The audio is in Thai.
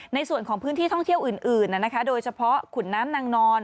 ในพื้นที่ท่องเที่ยวอื่นโดยเฉพาะขุนน้ำนางนอน